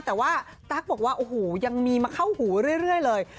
แต่ว่าตั๊กบอกว่าโอ้โหยังมีมาเข้าหูเรื่อยเลย